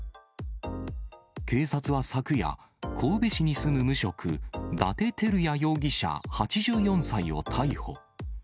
警察は昨夜、神戸市に住む無職、伊達昭也容疑者８４歳を逮捕。